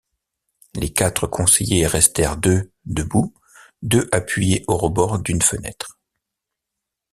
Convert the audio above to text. Les quatre conseillers restèrent deux debout, deux appuyés au rebord d’une fenêtre.